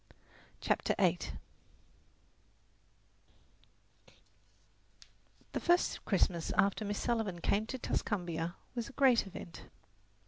CHAPTER VIII The first Christmas after Miss Sullivan came to Tuscumbia was a great event.